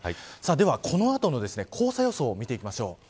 では、この後の黄砂予想を見ていきましょう。